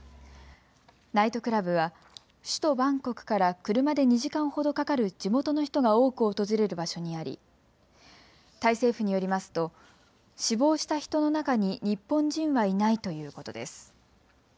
ナイトクラブは首都バンコクから車で２時間ほどかかる地元の人が多く訪れる場所にありタイ政府によりますと死亡した人の中に日本人はいないということです。